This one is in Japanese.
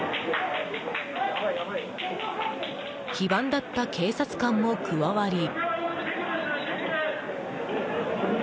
非番だった警察官も加わり。